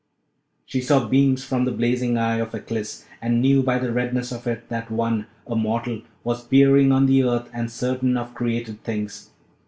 She saw beams from the blazing eye of Aklis, and knew by the redness of it that one, a mortal, was peering on the earth and certain of created things.